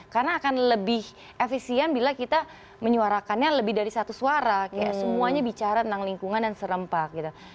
karena akan lebih efisien bila kita menyuarakannya lebih dari satu suara kayak semuanya bicara tentang lingkungan dan serempak gitu